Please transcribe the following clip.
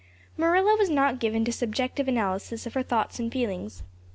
Marilla was not given to subjective analysis of her thoughts and feelings.